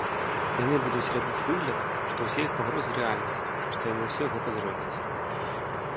Яны будуць рабіць выгляд, што ўсе іх пагрозы рэальныя, што яны ўсё гэта зробяць.